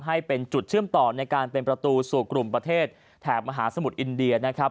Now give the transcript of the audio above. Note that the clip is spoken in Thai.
ให้เป็นจุดเชื่อมต่อในการเป็นประตูสู่กลุ่มประเทศแถบมหาสมุทรอินเดียนะครับ